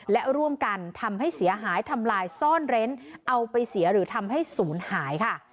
และร่วมกันทำให้เสียหายทำลายซ่อนเร้นเอาไปเสียหรือทำให้ศูนย์หายค่ะ